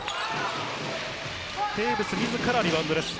テーブス自らリバウンドです。